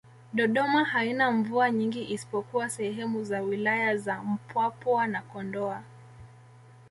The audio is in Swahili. Dodoma haina mvua nyingi isipokuwa sehemu za wilaya za Mpwapwa na Kondoa